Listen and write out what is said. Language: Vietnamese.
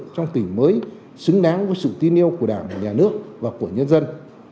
trong tỉnh mới xứng đáng với sự tin yêu của đảng nhà nước và của nhân dân